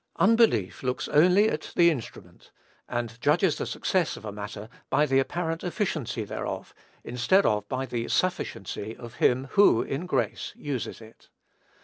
Unbelief looks only at the instrument, and judges of the success of a matter by the apparent efficiency thereof, instead of by the sufficiency of him who, in grace, uses it.